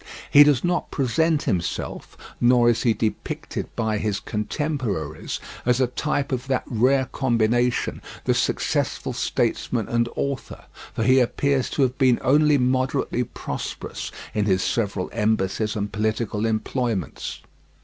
He does not present himself, nor is he depicted by his contemporaries, as a type of that rare combination, the successful statesman and author, for he appears to have been only moderately prosperous in his several embassies and political employments.